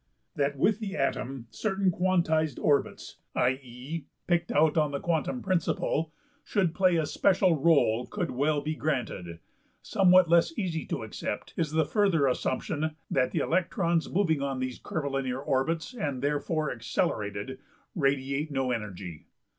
That with the atom certain quantized orbits [i.~e. picked out on the quantum principle] should play a special r\^{o}le could well be granted; somewhat less easy to accept is the further assumption that the electrons moving on these curvilinear orbits, and therefore accelerated, radiate no energy.